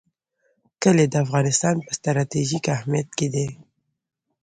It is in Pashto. کلي د افغانستان په ستراتیژیک اهمیت کې دي.